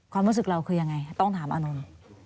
ความรู้สึกเราคือยังไงต้องถามอานนท์